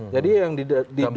jadi yang di dua